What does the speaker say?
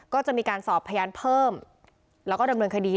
ก็จะมีการสอบพยานเพิ่มแล้วก็ดำเนินคดี